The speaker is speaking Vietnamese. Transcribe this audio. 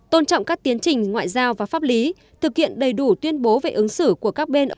tôn trọng các tiến trình ngoại giao và pháp lý thực hiện đầy đủ tuyên bố về ứng xử của các bên